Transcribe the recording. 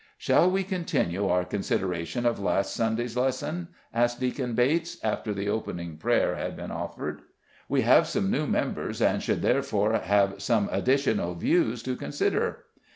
"Shall we continue our consideration of last Sunday's lesson?" asked Deacon Bates, after the opening prayer had been offered. "We have some new members, and should therefore have some additional views to consider."